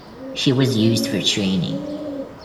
She was used for training.